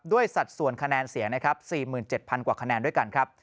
สัดส่วนคะแนนเสียงนะครับ๔๗๐๐กว่าคะแนนด้วยกันครับ